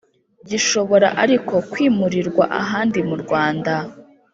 Gishobora ariko kwimurirwa ahandi mu rwanda